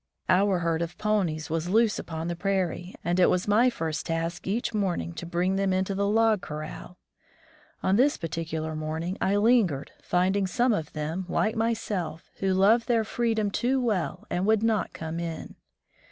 Our herd of ponies was loose upon the prairie, and it was my first task each morning to bring them into the log corral. On this particular morning I lingered, finding some of them, like myself, who loved their freedom too well and would not come in.